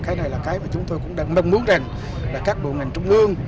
cái này là cái mà chúng tôi cũng đang mong muốn rằng là các bộ ngành trung ương